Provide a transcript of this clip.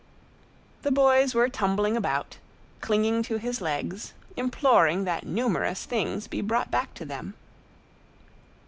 The boys were tumbling about, clinging to his legs, imploring that numerous things be brought back to them.